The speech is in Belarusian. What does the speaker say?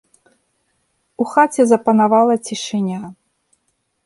У хаце запанавала цішыня.